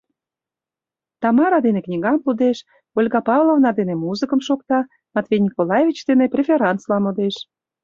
Тамара дене книгам лудеш, Ольга Павловна дене музыкым шокта, Матвей Николаевич дене преферансла модеш.